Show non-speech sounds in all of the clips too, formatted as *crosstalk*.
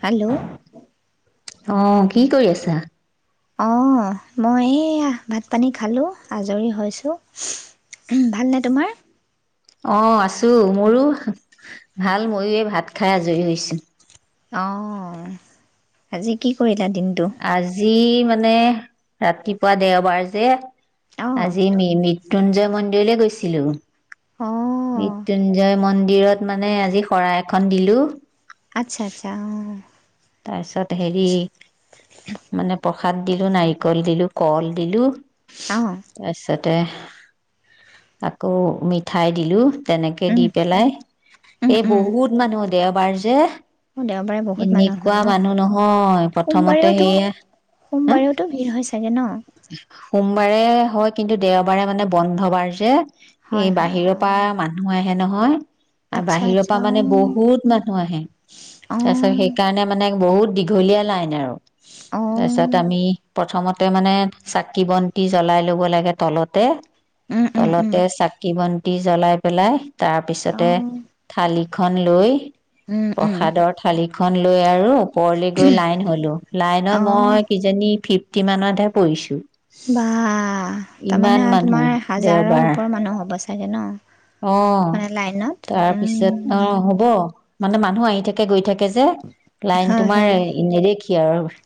Hello. অ, কি কৰি আছা? অ, মই এইয়া ভাত-পানী খালো। আজৰি হৈছো। উ, ভালনে তোমাৰ? অ, আছো। মোৰো ভাল। ময়ো ভাত খাই আজৰি হৈছো। অ, আজি কি কৰিলা দিনটো আজি মানে ৰাতিপুৱা দেওবাৰ যে। অ আজিমিমিত মৃত্যুঞ্জয় মন্দিৰলৈ গৈছিলো। অ মৃত্যয়ুঞ্জয় মন ন্দিৰত মানে আজি শৰাই এখন দিলো। আত্চ্ছা, আত্চ্ছা অ। তাইছত হেৰি, মানে প্ৰস সাদ দিলো, নাৰিকল দিলো, কল দিলো। অ আচ্ছাত। তে, আকৌ মিঠাই দিলোঁ। তেনেকে উম দি পেলাই। এ বহুত মানুহ। দেওবাৰ যে। অ' দেওবাৰে বহুত মানুহ হয় কোৱা ন মানুহ নহয়, প্ৰথমতে সোমবাৰেওতো সেয়া হ' সোমবাৰেওতো ভিৰ হয় চাগে ন সোমবাৰে এ হয়। কিন্তু দেওবাৰে মানে বন্ধ বাৰ যে। এই হয় হয় বাহিৰৰ অ পা মানুহ আহ হে নহয় আৰু আচ্ছা বাহিৰৰ আচ্ছা পৰা অ মানে বহুত মানুহ আহে। তাৰ পিছত অ সেই মানে বহুত দীঘলীয়া লাইন আৰু। অ তাৰপিছত আমি প্ৰথমত তাতে মানে চাকি বন্তি জ্বলাই ল'ব লাগে তলতে। উম উম উম তলতে চাকি বন্ত টি জ্বলাই পেলাই অ তাৰপিছতে থালি খনলৈ উম উম প্ৰসাদৰ থালি লৈ আৰু ওপৰলে গৈ লাইন হ'লো, লাইনত অ মই কিজানি ফিফ্টি মানতহে পৰিছোঁ। বা, তাৰমানে মানুহ তোমাৰ হাজাৰৰ দেওবাৰ ওপৰৰ মানুহ হ'ব চা *unintelligible* ন'। অ', মানে লাইনত তাৰপিছত অ উম, হ'ব। মানে মানুহ আহি থাকে, গৈ থাকে যে লাইন হয় তোমাৰ হয় নেদেখি। *unintelligible*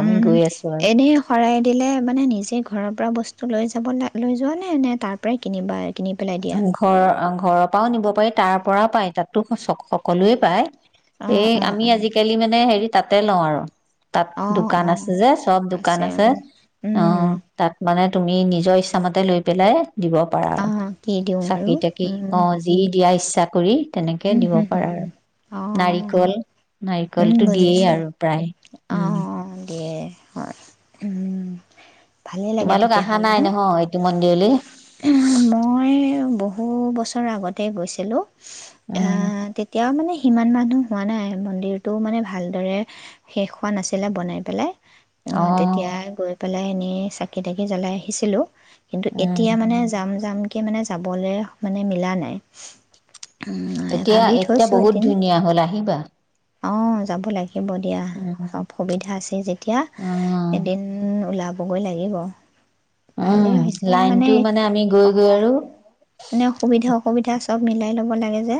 আমি উম, গৈ আছো আৰু এনেই শৰাই দিলে মানে নিজে ঘৰৰ বস্তু লৈ যাব নে লৈ যোৱা নে, নে তাৰ পৰাই কিনিবা কিনি পেলাই দিয়া ঘৰ ঘৰৰ পৰাও নিব পাৰি, তাৰ পৰাও পায়! তাতো *unintelligible* সকলোৱে পায়। অঁ এই অঁ আমি অঁ আজিকালি মানে হেৰিত তাতে লওঁ আৰু তাত অঁ দোকান অঁ আছে যে চব দোকান আছে, অ' উম তাত মানে তুমি নিজৰ ইচ্ছামতে লয় পেলাই দিব পাৰা আৰু অঁ কি দিওঁ আৰু চাকি-তাকি অ' যি দিয়া ইচ্ছা কৰি তেনেকে উ দিব হু হু পাৰা আৰু হু, অ নাৰিকল উম নাৰিকলটো দিয়েই বুজিছো। আৰু প্ৰায় অ উম দিয়ে হয়। উম্। তোমালোক অহা নাই নহয়, এইটো ম *unintelligible* মই বহু বছৰ আগতে গৈছিলোঁ। উম *unintelligible* তেতিয়াও মানে সিমান মানুহ হোৱা নাই, মন্দিৰটো মানে ভালদৰে শেষ হোৱা নাছিলে বনাই পেলাই। অ' তেতিয়া গৈ পেলাই এনেই চাকি-তাকি জ্বলাই আহিছিলোঁ কিন্তু এত উম তিয়া মানে যাম যাম ক কে মানে যাবলৈ মানে মিলা নাই। তেতিয়া ভাবি এতিয়া থৈছোঁ বহুত এদিন ধুনীয়া হ'ল আহিবা। অঁ যাব লাগে। হব দিয়া উম চব সুবিধা আছে যেতিয়া অ এদিন ওলা বগৈ লাগিব। ভালেই হৈছে অহ মানে অ মানে অসুবিধা অসুবিধা আছে চব মিলাই ল'ব লাগে যে।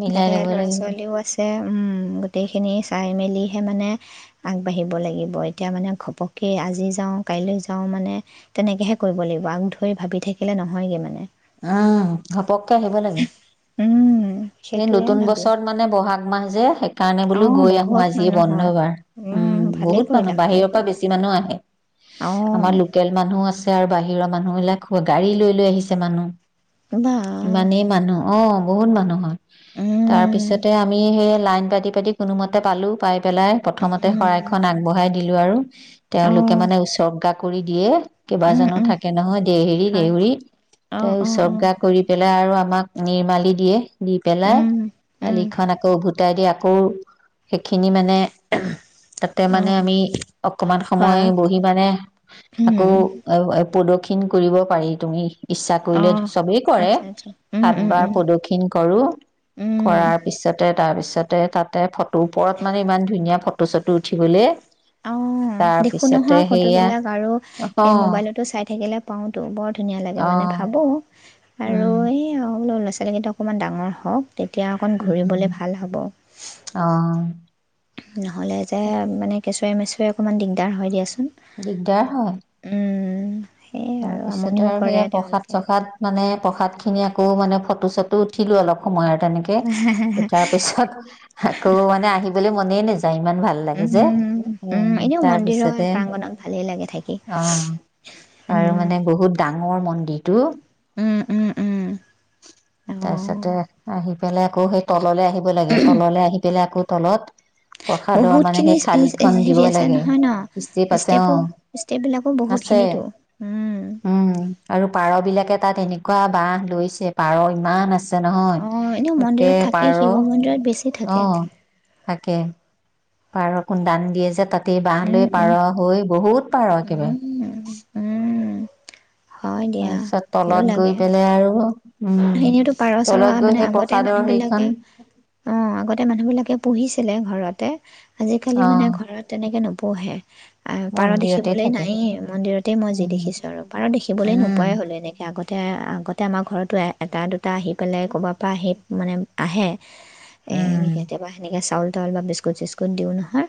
মিলাই তাতে ল'ব ল'ৰা লাগিব ছোৱালীও আছে উম, গোটেইখিনি চাই মেলিহে মানে আগবাঢ়িব লাগিব, এতিয়া মানে ঘপককৈ আজি যাওঁ, কাইলৈ যাওঁ, মানে তেনেকৈহে কৰিব লাগিব ধৰি ভাবি থাকিলে নহয়গে মানে। উম ঘপককে আহিব লাগে, উম এই সেইটোৱে নতুন ভাবি বছৰত মানে ব'হাগ মাহ যে কাৰণে বোলো অঁ গৈ আহো বহুত আজিয়ে মানুহ বন্ধ হয় বাৰ, উম ভালেই বহুত মানুহ কৰিলা ভালেই বাহিৰৰ পৰা কৰিলা বেছি মানুহ আহে, অঁ আমাৰ লোকেল মানুহ আছে আৰু বাহিৰ বাহিৰৰ মানুহবিলাক গাড়ী লৈ লৈ আহিছে মানুহ বা ইমানেই মানুহ অঁ। বহুত মানুহ হয়। তাৰপিছতে আমি সেই লাইন পাতি পাতি কোনোমতে পালোঁ, পাই পেলাই, প্ৰথমতে শৰাইখন আগবঢ়াই দিলোঁ আৰু তেওঁলোকে অঁ মানে উচৰ্গা কৰি দিয়ে কেইবাজানো থাকে নহয় দেহেৰি, হয় দেউৰী অঁ অঁ উচৰ্গা কৰি পেল তেওঁ আৰু আমাক নিৰ্মালি দিয়ে। দি পেলাই, দালিখন আকৌ উভুত গতাই দি আকৌ সেইখিনি মানে তাতে মানে অঁ আমি অকমান সময় খোৱা বহি মানে আকৌ *unintelligible* প্ৰদক্ষিণ কৰিব পাৰি, তুমি ইচ্ছা কৰিলে অঁ চবেই কৰে, আচ্ছা আচ্ছা উম সাত উম বাৰ উম প্ৰদক্ষিণ কৰোঁ, উম কৰাৰ পিছতে, তাৰপিছত তাতে ফটো, ওপৰত মানে ইমান ধুনীয়া ফটো চটো উঠিবলে। অ', দেখো নহয় ফটো বিলাক আৰু অ এই মোবাইলতো চাই থাকিলে পাওঁটো বৰ ধুনীয়া লাগে। অ *unintelligible* ভাবোঁ আৰু উম এই হ'লো ল'ৰা ছোৱালীকেইটা অকণ ডাঙৰ হওক। তেতিয়া অকণ ঘূৰিবলে উম ভাল হ'ব। অ নহ'লে যে মানে কেঁচুৱাই মেচুৱৰে অকণমান দিগদাৰ হৈ দিয়া চোন। দিগদাৰ হয়। উম। সেয়ে আৰু তাৰপিছতে আমনিও আৰু কৰে সেয়া প্ৰসাদ তেওঁলোকে চসাদ মানে প্ৰসাদ স খিনি আকৌ মানে ফটো চটো উঠিলো অলপ। সময় আৰু তেনেকে তাৰ পিছত আকৌ মানে আহিবলৈ মাননে তাই ইমান ভাল উম, লাগে যে এ, উম, এনেও মন্দিৰৰ তাৰপিছতে প্ৰাংগণত ভালেই লাগে থাকি অ'। আৰু মানে বহুত দা ডাঙৰ মন্দিৰটো। উম, উম, উম। তাৰপিছতে আহি পেলাই আকৌ সেই তললৈ আহিব লাগে তললৈ আহি পেলাই আকৌ তলত প্ৰসাদৰ মানে বহুতখিনি সেই থালিখন দিব হেৰি আছে লাগে নহয় ষ্টেপ ন আছে ষ্টেপো অ', ষ্টেপ বিলাকো বহুত আছে খিনিতো উম উম, আৰু পাৰ বিলাকে তাত তে এনেকুৱা বাহ লৈছে পাৰই। ইমান আছ নহয় অ এনেও একে মন্দিৰত থাকেই পাৰ শিৱ মন্দিৰত বেছি থাকে অ', থাকে। বাৰ অকোন দান দিয়ে যে তাত তেই উম বাঁহলৈ উম পাৰ হৈ বহুত পাৰ একেবাৰে। উম উম হয় দিয়া তাৰপিছত তলত গৈ পেলাই আৰু উম এনেওঁ পাৰ চৰা তলত গৈ মানে সেই আগতে প্ৰসাদৰ মানুহ সেইখন বিলাকে অ আগতে মানুহ বিলাকে পুহিছিলে ঘৰত। তে। আজিকালি অ মানে ঘৰত তেনেকে নব পঢহে। পাৰ মন্দিৰতে দেখিবলৈ থাকে নায় মন্দিৰতে মই যি উম দেখিছো আৰু পাৰ দেখিবলৈ উম নোপোৱাই হ'লো এনেকে আগত। তে আগতে আমাৰ ঘৰতো। এটা দুটা আহি পেলাই ক'ৰব পৰা সেই মানে আহে। এ উম কেতিয়াবা সেনেকে চাউল তাৰ অলপ বিস্কুট চিস্কুট দিও নহয়।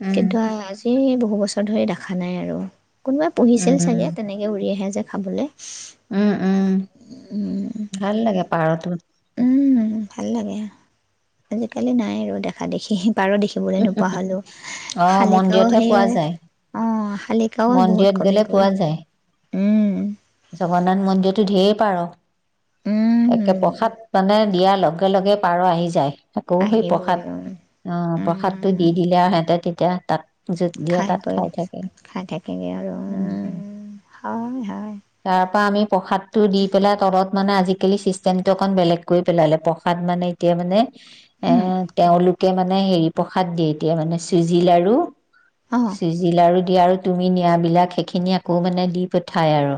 উম কিন্তু আজি বহুব বছৰ ধৰি দেখা নাই আৰু। কোনোবাই পঢ়িছিল ছাগে উম তেনেকে উৰি আহেযে খাবলৈ উম উম উম। ভাল লাগে পাৰতো। উম ভাল লাগে, ‌ আজিকালি নাই আৰু দেখা দেখি। পাৰোঁ দেখিবলৈ নোপোৱা হলো, অ শালিকাও মন্দিৰতহে সেই পোৱা যায় অহ শালিকাও বহুত মন্দিৰত কমি গ'লে গল। পোৱা যায় উম জগন্নাথ মন্দিৰতটো ধেৰ পাৰ। একে উম প্ৰসাদ মানে দিয়াৰ লগে লগে পাৰ আহি যায়। আকৌ সেই আহিবই প্ৰসাদ, অহ, প্ৰসাদতটো উম দি দিলে অহে সিহঁতে এতিয়া তাত য'ত দিয়ে খাই তাত গৈ, থাকে খাই থাকিবি আৰু উম, হয়, হয়। তাৰ পৰা আমি প্ৰসাদটো দি পেলাই তলত মানে আজি কেলি চিষ্টেমটো অকণ বেলেগক কৰি পেলালে, প্ৰসাদ মানে এতিয়া মানে এ উম তেওঁলোক এতিয়া মানে হেৰি, প্ৰসাদ দিয়ে এতিয়া মানে চুজি লাৰু। অ চুজি লাৰু দিয়া আৰু তুমি নিয়াবিলাক সেইখিনি আকৌ মানে দি পঠিয়াই আৰু।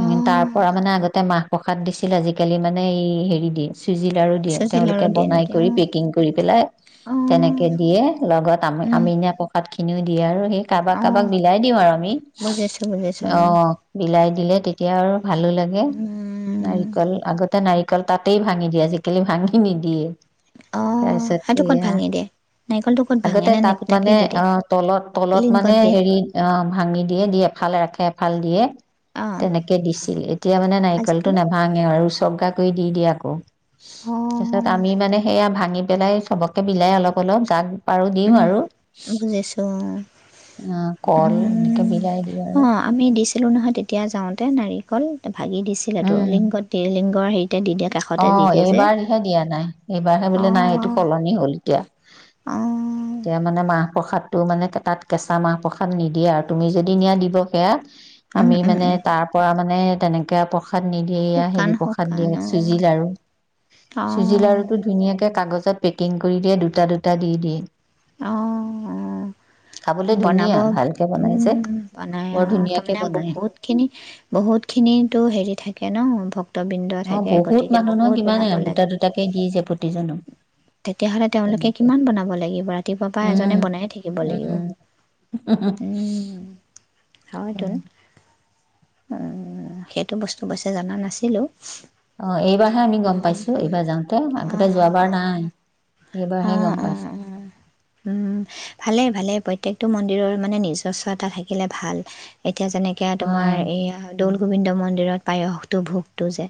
অ তাৰ পৰা মানে আগতে মাহ প্ৰসাদ দিছে আজিকালি মানে এই হেৰি দিয়ে চুজি লাৰু দিয়ে, চুজি লাৰু তেওঁলোকে দিয়ে বনাই নেকি অ কৰি পেকিং কৰি পেলাই অ তেনেকে দিয়ে, লগত উম আমি-আমি‌ নিয়া প্ৰসাদ এনেও দিয়ে আৰু। হে কাৰোবাক অ কাৰোবাক বিলাই দিউ আৰু আমি, বুজিছো বুজিছো অহ বিলাই দিলে কেতিয়া আৰু ভালো লাগে নাই উম আগতে নাৰিকল তাতেই ভাঙি দিয়ে, আজিকালি ভাঙি নিদিয়ে। অ তাৰপিছত সেইটো ক'ত এয়া, ভাঙি দিয়ে নাৰিকলটো ক'ত ভাঙে আগতে নে নে তাত মানে গোটাকেই দি দিয়ে অহ তলত-তলত মানে লিংকত দিয়ে হেৰি অহ ভাঙি দিয়ে দি এফালে ৰাখে। ভাল দিয়ে অ তেনেকে দিছিল, এতিয়া মানে নাৰিকলটো আজিকালি নে অহ আৰু *unintelligible* কৰি দি দিয়ে আকৌ। অঁ পিছত আমি মানে সেয়া ভাঙি পেলাই *unintelligible* বিলাই অলপ অলপ *unintelligible* উম আৰু বুজিছো অ কল উম, এনেকে উম বিলাই দিওঁ আৰু অহ আমি দিছিলো নহয় তেতিয়া যাওঁতে নাৰিকল। ভাঙি দিছিলটো লিংগত তিৰ লিংগৰ হেৰি অহ এইবাৰহে দিয়া নাই, এইবাৰহে বোলে নাই অঁ এইটো সলনি হ'ল এতিয়া। অঁ এতিয়া মানে মাহ প্ৰসাদটো মানে তাত কেঁচা মাহ প্ৰসাদ নিদিয়ে আৰু তুমি যদি নিয়া দিব সেয়া। আমি মানে তাৰ পৰা মানে নে তেনেকে আৰু পৰখাদ। প্ৰসাদ নিদিয়েয়া শুকান হেৰি প্ৰসাদ দিয়ে। শুকান চুজি লাৰু অঁ অঁ চুজি লাৰু টো ধুনীয়াকে কাগজ ত পেকিং কৰি দিয়ে দুটা দুটা দি দিয়ে। অ', অ। খাবলৈ বনাব ধুনীয়া ভালকে বনাইছে উম বনাই অ বৰ ধুনীয়াকে তাৰমানে বনাই বহুত খিনি বহুত খিনিটো হেৰি থাকে ন ভ বিন্দ অ থাকে বহুত গতিকে মানুহ নহয় বহুত কিমান বনাব দুটা লাগে দুটাকে দিছে প্ৰতিজনক তেতিয়াহলে তেওঁলোকে তেনেকে কিমান বনাব লাগিব ৰাতিপুৱা পৰা এজনে বনাই থাকিব লাগিব। উমহ্, উমহ্। হয়তো। উম সেইটো বস্তু অৱশ্যে জনা নাছিলো। আহ এইবাৰহে আমি গম পাইছো এইবাৰ যাওঁতে অঁ আগতে অঁ যোৱাবাৰ অঁ নাই এইবাৰহে অঁ গম অঁ পাইছো। এইটো মন্দিৰৰ মানে নিজস্ব এটা থাকিলে ভাল এ এতিয়া যেনেকে অ তোমাৰ এই গোবিন্দ মন্দিৰত পায়সটো ভোগটো যে।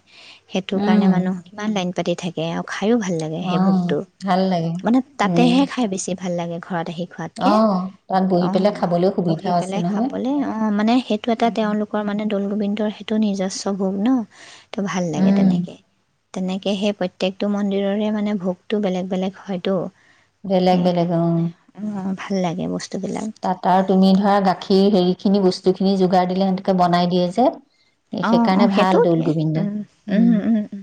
সেইটো উম কাৰণে মানুহ কিমান লাইন। পাতি থাকে আৰু খাইয়ো ভাল লাগে অ সেই ভোগটো ভাল লাগে মানে উম তাতেহে খাই বেছি ভাল লাগে ঘৰত আহি অ খোৱাতকে। তাত বহি অ পেলাই খাবলৈ সুবিধা বহি আছে পেলাই নহয় খাবলে অ মানে সেইটো এটা তেওঁলোকৰ মানে দৌল গোবিন্দৰ সে টো নিজস্বভুপ ন। তটো ভাল লাগে উম তেনেকে। তেনেকে সেই প্ৰত্যেকটো মন্দিৰৰে মানে ভোকটো বেলেগ বেলেগ হয়তো। বেলেগ বেলেগ সেইকাৰণে অ মানে অ'। ভাল লাগে বস্ তাত আৰু তুমি ধৰা গাখীৰ হেৰি খিনি বস্তু খিনি যোগাৰ দিলে সিহতকে বনাই দিয়ে যে। অ অ সেইকাৰণে ভাল সেইটোও দৌল দিয়ে গোবিন্দ উম উম উম উম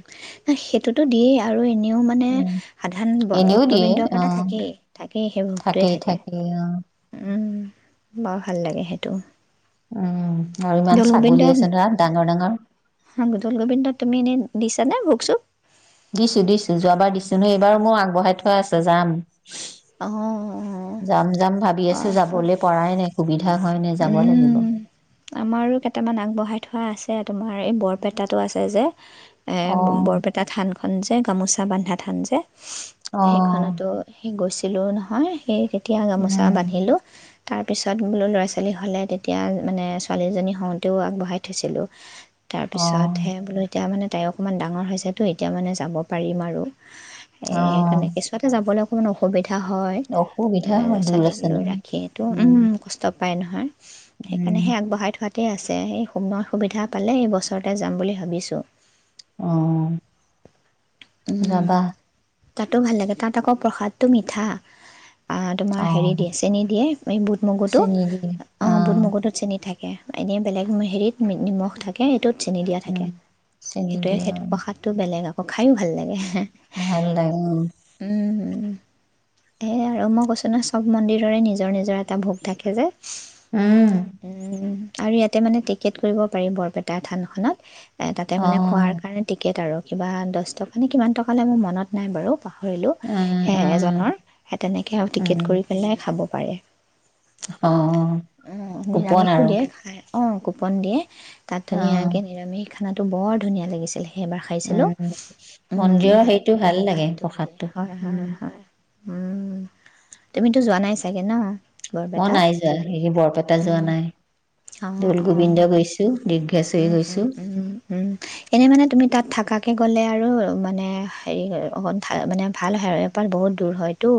সেইটোতো দিয়েই আৰু এনেও মানে উম সাধাৰণ এনেও দিয়ে ভক্তবিন্দৰ অ কাৰণে থাকেই থাকেই সেই ভক্তোৱে থাকেই থাকে থাকেই অ উম। বাৰ ভাল লাগে সেইটো। উম। আৰু ইমান দৌল ছাগলী গোবিন্দত আছে ধৰা ডাঙৰ ডাঙৰ দৌল গোবিন্দত তুমি এনে দিছ যেনে ভোগ-চোগ দিছোঁ, দিছোঁ। যোৱাবাৰ দিছোঁ নহয়। এইবাৰো মোক আগবঢ়াই থোৱা আছে। যাম। অ', যাম, যাম ভাবি আছোঁ। হয়, হয়, যাবলৈ পৰাই নাই। সুবিধা হয় নাই যাব লাগিব উম আমাৰো কেইটামান আগবঢ়াই থোৱা আছে, তোমাৰ এই বৰপেটাটো আছে যে এ, অ বৰপেটা থান। থান যে, গামোচা বান্ধা থান যে অ সেইখনতো সেই গৈছি ছিলোঁ নহয়, সেই তিয়া গামোচা উম বান্ধিলোঁ। তাৰ পিছত, বোলো, ল'ৰা-ছোৱালী ল'ৰা-ছোৱালী হ'লে, তেতিয়া, মানে, ছোৱালীজনী হওঁতেও আগবঢ়াই থৈছিলোঁ। অ তাৰপিছতহে বোলো এতিয়া মানে তাই অকণমান ডাঙৰ হৈছেতো। এতিয়া মানে, যাব পাৰিম আৰু এ, অ সেইকাৰণে কেঁচুৱাতে যাবলৈ কোন অসুবিধা পিন্ধা হয়। অসুবিধা হয় দূৰ ল'ৰা-ছোৱালী আছে নহয় ৰাখিটো, উম, কষ্ট নাপায় নহয়। উম সেইকাৰণেহে আগবঢ়াই থোৱাত তে আছে। সেই সময় সুবিধা পালে, এই বছৰতে যাম বুলি ভাবিছোঁ। অ উম। যাবা তাতো ভাল লাগে। তাত আকৌ প্ৰসাদ টো মিঠা। আ, তোমাৰ হেৰি অ', দিয়ে, চেনি দিয়ে, এই বুট-মগুটো চেনি দিয়ে অ', বুট-মগুটোত চেনি থাকে। এনেই বেলেগ হেৰিত নিমখ থাকে। এইটোত চেনি দিয়া থাকে। উম। চেনি সেইটোৱেই, দিয়ে সেইটো অ', প্ৰসাদটো বেলেগ আৰু অ', খায়ো ভাল লাগে। ভাল লাগে। এ, আৰু মই কৈছোঁ ন, চব মন্দিৰৰে নিজৰ-নিজৰ এটা ভোগ থাকে যে উম। আৰু ইয়াতে মানে, টিকেট কৰিব পাৰি বৰপেটা থানখনত। তাতে মানে, খোৱাৰ অ'। কাৰণে টিকেট, আৰু কিবা দহ টকা নে কিমান টক লৈ মোৰ মনত নাই বাৰু পাহৰিলোঁ উম, সেই উম, এজনৰ সেই তেনেকৈ আৰু টিকেট উম, কৰি পেলাই খাব পাৰে অ' কোপন আৰু অ' কুপন দিয়ে তাত ধুনীয়া অ', কেনেৰামি খ খানাটো বৰ ধুনীয়া লাগিছিলে উম উম মন্দিৰৰ ভাত হেইটো ভাল লাগে প্ৰসাদটো উম উম তুমিতো যোৱা নাই চাগে ন মই বৰপেটাত নাই যোৱা বৰপেটা যোৱা নাই অঁ দৌল অঁ গোবিন্দ গৈছোঁ দীৰ্ঘেশ্বৰী উম, উম, গৈছো উম, উম, এনেই মানে তাত থাকাকৈ গ'লে আৰু মানে হেৰি অকণ মানে ভাল হে এপাত বহুত দূৰ হয়তো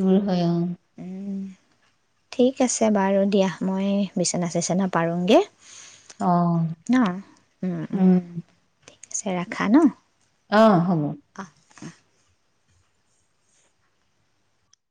দূৰ হয় অহ ঠিক *unintelligible* ঠিক আছে বাৰু দিয়া মই বিচনা চিচনা পাৰোঙগে অহ উম পিছে ৰাখা ন অহ হ'ব অ'।